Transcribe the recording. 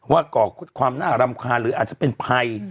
ก่อความน่ารำคาญหรืออาจจะเป็นภัย